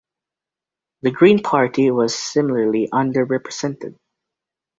The Green Party was similarly under-represented.